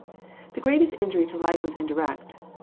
The greatest injury to life was indirect.